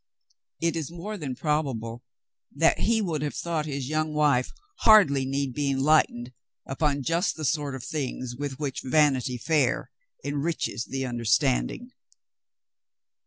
It is more than probable that he would have thought his young wife hardly need be enlightened upon just the sort of things with which Vanity Fair enriches the understanding.